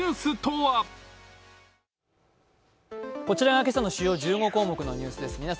こちらが今朝の主要１５項目のニュースです。